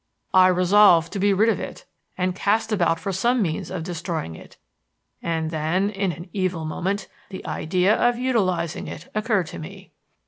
I resolved to be rid of it and cast about for some means of destroying it. And then, in an evil moment, the idea of utilizing it occurred to me.